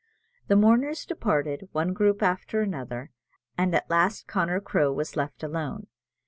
The mourners departed, one group after another, and at last Connor Crowe was left alone.